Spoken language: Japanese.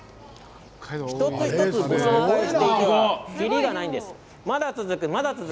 一つ一つご紹介していくときりがないんです。